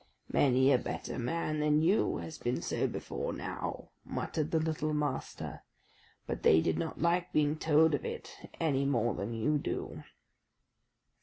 "Many a better man than you has been so before now," muttered the little Master; "but they did not like being told of it any more than you do."